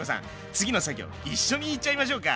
次の作業一緒に言っちゃいましょうか？